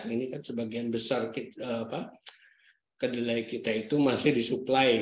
ini kan sebagian besar kedelai kita itu masih disuplai